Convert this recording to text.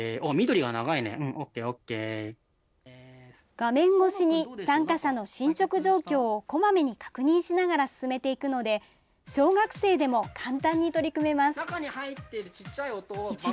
画面越しに参加者の進捗状況をこまめに確認しながら進めていくので、小学生でも簡単に取り組めます。